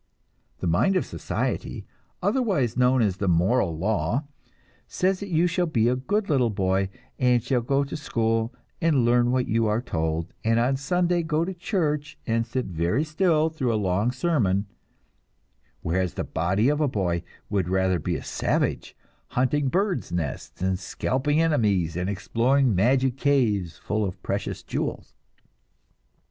The mind of society, otherwise known as the moral law, says that you shall be a good little boy, and shall go to school and learn what you are told, and on Sunday go to church and sit very still through a long sermon; whereas, the body of a boy would rather be a savage, hunting birds' nests and scalping enemies and exploring magic caves full of precious jewels.